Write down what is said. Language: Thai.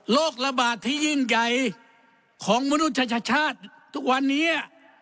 ระบาดที่ยิ่งใหญ่ของมนุษยชาติทุกวันนี้